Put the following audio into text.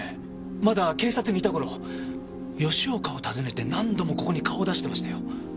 まだ警察にいた頃吉岡を訪ねて何度もここに顔を出してましたよ。